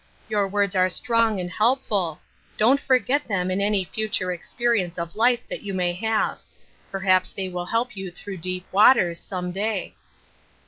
Your words are strong and helpful ; don't forget them in any future experience of life that you may have ; perhaps they will help you through deep waters, some day."